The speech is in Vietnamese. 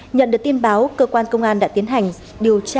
nhận được tin báo cơ quan công an đã tiến hành điều tra